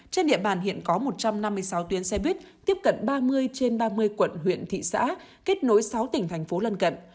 trên địa bàn hiện có một trăm năm mươi sáu tuyến xe buýt tiếp cận ba mươi trên ba mươi quận huyện thị xã kết nối sáu tỉnh thành phố lân cận